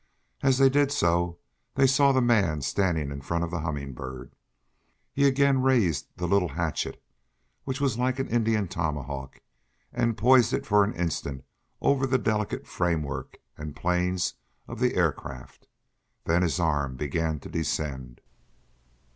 As they did so they saw the man standing in front of the Humming Bird. He again raised the little hatchet, which was like an Indian tomahawk, and poised it for an instant over the delicate framework and planes of the air craft. Then his arm began to descend.